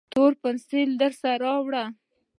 تور پینسیل درسره راوړه